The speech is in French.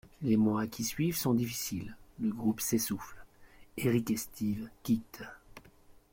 Les mois qui suivent sont difficiles, le groupe s'essouffle: Éric et Steeve quittent.